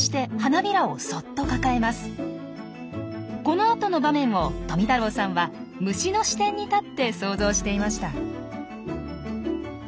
このあとの場面を富太郎さんは虫の視点に立って想像していました。